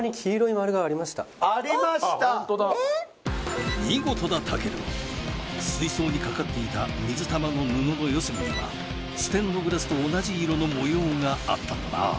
あっホントだ見事だ健水槽にかかっていた水玉の布の四隅にはステンドグラスと同じ色の模様があったんだな